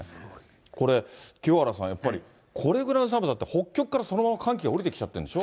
これ、清原さん、やっぱり、これぐらいの寒さって、北極からそのまま寒気が下りてきちゃってるんでしょ。